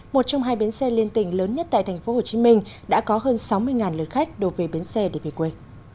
một trong hai bến xe liên tỉnh lớn nhất tại tp hcm đã có hơn sáu mươi lượt khách đổ về biến xe để về quê